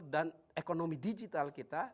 dan ekonomi digital kita